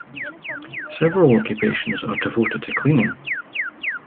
Several occupations are devoted to cleaning.